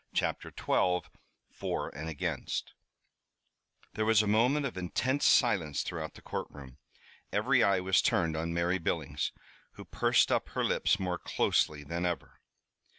CHAPTER XII FOR AND AGAINST There was a moment of intense silence throughout the courtroom. Every eye was turned on Mary Billings, who pursed up her lips more closely than ever.